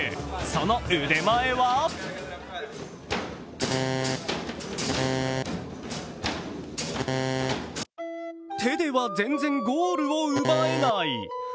その腕前は手では全然、ゴールを奪えない。